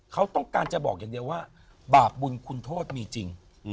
เขาต้องการจะบอกอย่างเดียวว่าบาปบุญคุณโทษมีจริง